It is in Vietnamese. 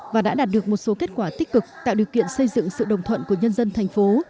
và đã đạt được một số kết quả tích cực tạo điều kiện xây dựng sự đồng thuận của nhân dân thành phố